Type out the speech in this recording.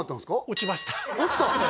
落ちました落ちた？